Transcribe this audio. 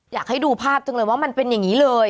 อยากให้ดูภาพจังเลยว่ามันเป็นอย่างนี้เลย